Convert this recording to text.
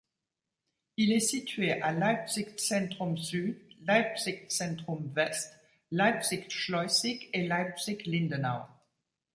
Il est situé à Leipzig-Zentrum-Süd, Leipzig-Zentrum-West, Leipzig-Schleußig et Leipzig-Lindenau.